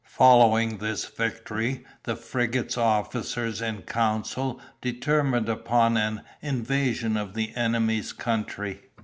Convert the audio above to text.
Following this victory, the frigate's officers in council determined upon an invasion of the enemy's country.